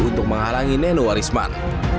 untuk menghalangi nenowa risman